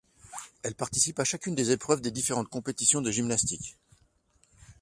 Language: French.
Elle participe à chacune des épreuves des différentes compétitions de gymnastique.